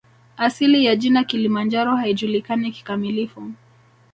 Asili ya jina Kilimanjaro haijulikani kikamilifu